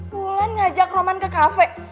wulan ngajak roman ke cafe